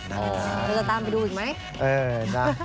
คุณจะตามไปดูอีกมั้ย